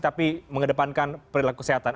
tapi mengedepankan perilaku kesehatan